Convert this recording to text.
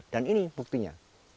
dan ini buktinya